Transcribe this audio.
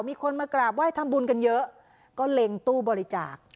มีคนมากราบไห้ทำบุญกันเยอะก็เล็งตู้บริจาค